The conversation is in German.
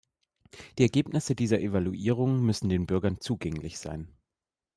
Die Ergebnisse dieser Evaluierungen müssen den Bürgern zugänglich sein.